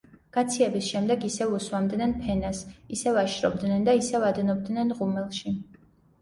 გაციების შემდეგ ისევ უსვამდნენ ფენას, ისევ აშრობდნენ და ისევ ადნობდნენ ღუმელში.